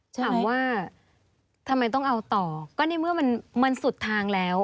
ถามว่าทำไมต้องเอาต่อก็ในเมื่อมันสุดทางแล้ว